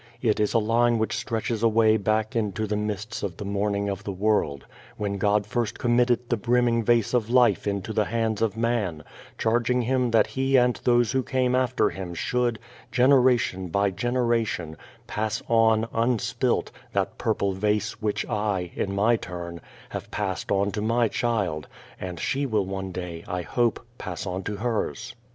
It is a line .; which*: tr$t<?hes away back into the mists of ' the " morning * of the world, when God first committed the brimming vase of life into the hands of man, charging him that he and those who came after him should, generation by generation, pass on, unspilt, that purple vase which I, in my turn, have passed on to my child, and she will one day, I hope, pass on to hers.